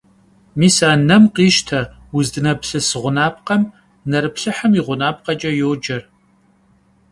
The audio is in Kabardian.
Mis a nem khişte, vuzdıneplhıs ğunapkhem nerıplhıhım yi ğunapkheç'e yoce.